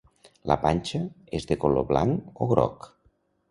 La panxa és de color blanc o groc.